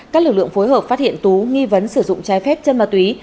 các lực lượng phối hợp phát hiện tú nghi vấn sử dụng trái phép chân ma túy